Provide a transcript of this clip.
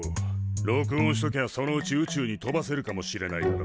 録音しときゃそのうち宇宙に飛ばせるかもしれないだろ。